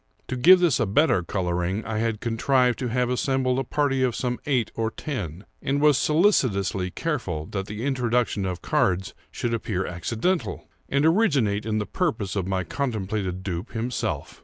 To give to this a better coloring, I had contrived to have assembled a party of some eight or ten, and was solicitously careful that the introduction of cards should appear accidental, and originate in the proposal of my contemplated dupe himself.